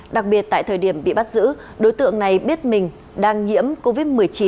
đặc biệt tại thời điểm bị bắt giữ đối tượng này biết mình đang nhiễm covid một mươi chín